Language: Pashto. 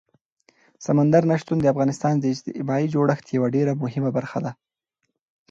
سمندر نه شتون د افغانستان د اجتماعي جوړښت یوه ډېره مهمه برخه ده.